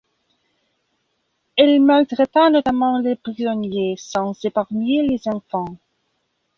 Elle maltraita notamment les prisonniers sans épargner les enfants.